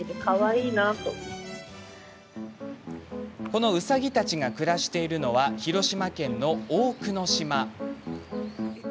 このうさぎたちが暮らしているのは広島県の大久野島。